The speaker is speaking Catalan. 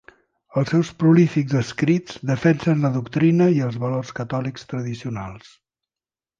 Els seus prolífics escrits defensen la doctrina i els valors catòlics tradicionals.